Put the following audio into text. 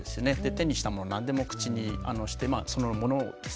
手にしたもの何でも口にしてそのものをですね学習する。